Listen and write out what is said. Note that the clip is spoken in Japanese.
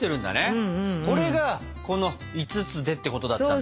これがこの「５つで」ってことだったんだ。